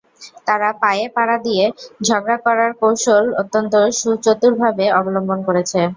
তারা পায়ে পাড়া দিয়ে ঝগড়া করার কৌশল অত্যন্ত সুচতুরভাবে অবলম্বন করেছে।